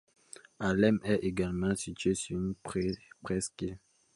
Alem est également situé sur une presqu'île.